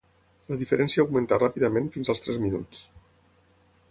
La diferència augmentà ràpidament fins als tres minuts.